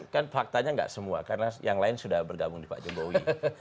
kan faktanya nggak semua karena yang lain sudah bergabung di pak jokowi